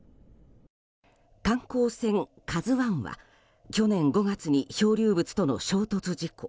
観光船「ＫＡＺＵ１」は去年５月に漂流物との衝突事故。